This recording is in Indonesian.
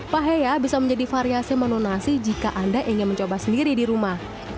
paheya bisa menjadi variasi menu nasi jika anda ingin mencoba sendiri di rumah